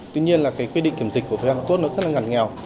tuy nhiên là quy định kiểm dịch của phía hàn quốc nó rất là ngặt nghèo